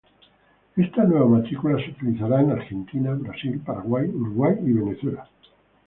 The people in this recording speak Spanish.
Esta nueva matrícula se utilizará en Argentina, Brasil, Paraguay, Uruguay y Venezuela.